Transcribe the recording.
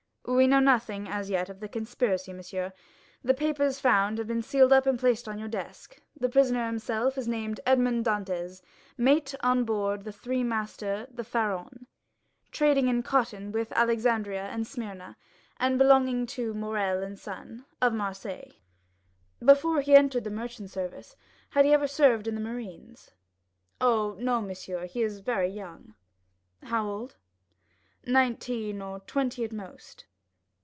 "We know nothing as yet of the conspiracy, monsieur; all the papers found have been sealed up and placed on your desk. The prisoner himself is named Edmond Dantès, mate on board the three master the Pharaon, trading in cotton with Alexandria and Smyrna, and belonging to Morrel & Son, of Marseilles." "Before he entered the merchant service, had he ever served in the marines?" "Oh, no, monsieur, he is very young." "How old?" "Nineteen or twenty at the most."